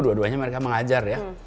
dua duanya mereka mengajar ya